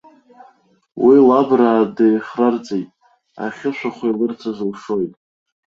Уи лабраа деихрарҵеит, ахьы шәахәа илырҭаз лшоит.